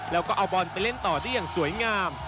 แล้วก็เอาบอลไปเล่นต่อได้อย่างสวยงาม